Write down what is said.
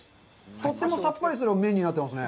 とってもさっぱりする麺になってますね。